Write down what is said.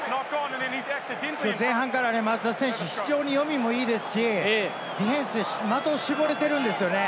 きょうは前半から松田選手、非常に読みもいいですし、ディフェンスの的を絞れているんですよね。